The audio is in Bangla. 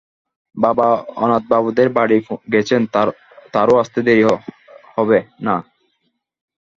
বাবা অনাথবাবুদের বাড়ি গেছেন, তাঁরও আসতে দেরি হবে না।